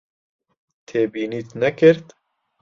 تێبینیت نەکرد؟